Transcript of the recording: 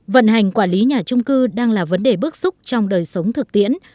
vận hành quản lý nhà trung cư đang là vấn đề bước xúc trong đời sống thực tiễn